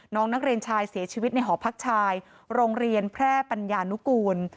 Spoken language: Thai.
น้องนักเรียนชายเสียชีวิตในหอพักชายโรงเรียนแพร่ปัญญานุกูล